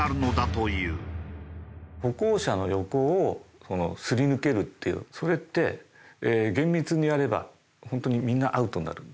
歩行者の横をすり抜けるっていうそれって厳密にやれば本当にみんなアウトになる。